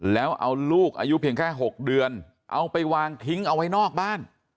แล้วเอาลูกอายุเพียงแค่๖เดือนเอาไปวางทิ้งเอาไว้นอกบ้าน